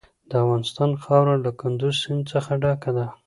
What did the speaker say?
د افغانستان خاوره له کندز سیند څخه ډکه ده.